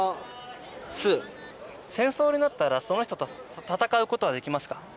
戦争になったらその人と戦うことはできますか？